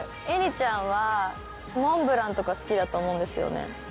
絵理ちゃんはモンブランとか好きだと思うんですよね。